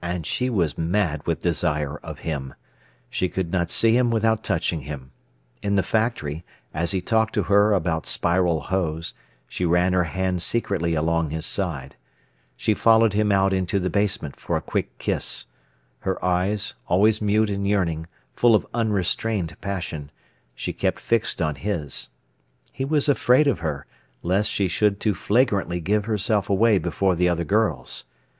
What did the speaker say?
And she was mad with desire of him. She could not see him without touching him. In the factory, as he talked to her about Spiral hose, she ran her hand secretly along his side. She followed him out into the basement for a quick kiss; her eyes, always mute and yearning, full of unrestrained passion, she kept fixed on his. He was afraid of her, lest she should too flagrantly give herself away before the other girls.